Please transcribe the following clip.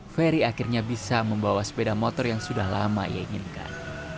ferry akhirnya bisa membawa sepeda motor yang sudah lama ia inginkan